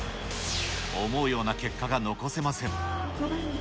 思うような結果が残せません。